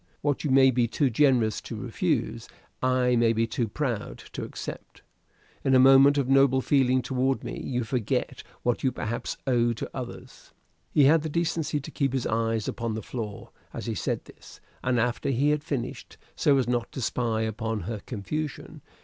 What you may be too generous to refuse, I may be too proud to accept. In a moment of noble feeling toward me, you forget what you perhaps owe to others." He had the decency to keep his eyes upon the floor as he said this, and after he had finished, so as not to spy upon her confusion.